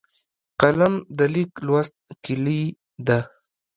قلم د لیک لوست کلۍ ده